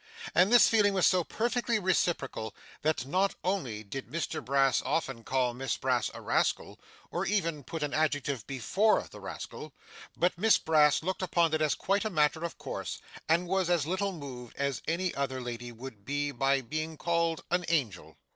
And this feeling was so perfectly reciprocal, that not only did Mr Brass often call Miss Brass a rascal, or even put an adjective before the rascal, but Miss Brass looked upon it as quite a matter of course, and was as little moved as any other lady would be by being called an angel.